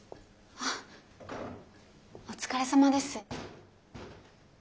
あっお疲れさまです。